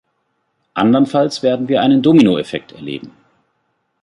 Andernfalls werden wir einen Dominoeffekt erleben.